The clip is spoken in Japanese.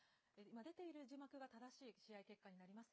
今、出ている字幕が正しい試合結果になります。